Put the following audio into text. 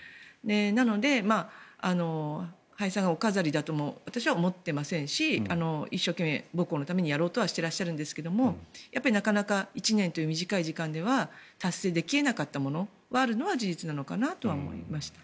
なので、林さんがお飾りだとも私は思っていませんし一生懸命、母校のためにやろうとはしてらっしゃるんですがなかなか１年という短い時間では達成でき得なかったものがあるのは事実なのかなと思いました。